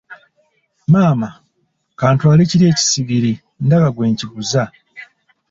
Maama, ka ntwale kiri ekisigiri , ndaba ggwe nkiguza.